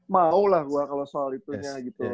mau lah gue kalau soal itunya gitu